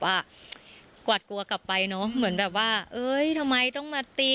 ว่ากวาดกลัวกลับไปเนอะเหมือนแบบว่าเอ้ยทำไมต้องมาตี